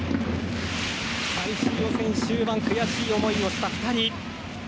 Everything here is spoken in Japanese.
最終予選終盤に悔しい思いをした２人。